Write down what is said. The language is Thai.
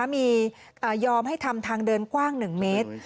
มียอมให้ทำทางเดินกว้าง๑เมตร